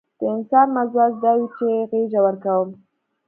د انسان مزاج دا وي چې غېږه ورکوم.